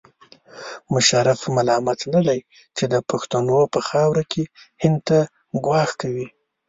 مشرف ملامت نه دی چې د پښتنو په خاوره کې هند ته ګواښ کوي.